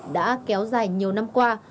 đã kéo dài nhiều năm qua